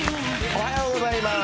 おはようございます。